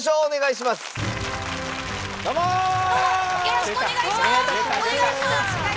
お願いしまーす！